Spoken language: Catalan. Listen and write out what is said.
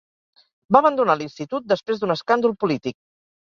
Va abandonar l'institut després d'un escàndol polític.